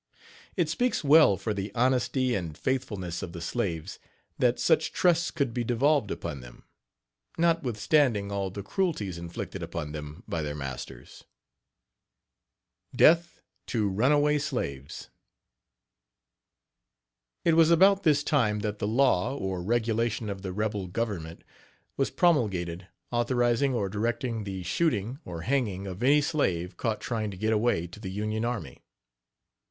It speaks well for the honesty and faithfulness of the slaves that such trusts could be devolved upon them, notwithstanding all the cruelties inflicted upon them by their masters. DEATH TO RUNAWAY SLAVES. It was about this time, that the law or regulation of the rebel government was promulgated, authorizing or directing the shooting or hanging of any slave caught trying to get away to the Union army.